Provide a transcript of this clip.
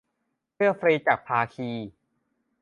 เสื้อฟรีจากภาคี